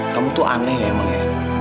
kamu tuh aneh emang ya